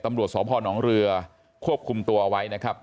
ตำรวจสพนเรือควบคุมตัวเอาไว้นะครับ